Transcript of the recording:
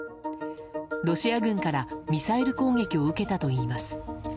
ロシア軍からミサイル攻撃を受けたといいます。